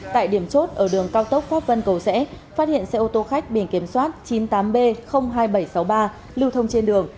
tại điểm chốt ở đường cao tốc pháp vân cầu rẽ phát hiện xe ô tô khách biển kiểm soát chín mươi tám b hai nghìn bảy trăm sáu mươi ba lưu thông trên đường